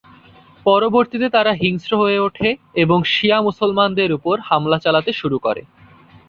পরবর্তীতে তারা হিংস্র হয়ে ওঠে এবং শিয়া মুসলমানদের উপর হামলা চালাতে শুরু করে।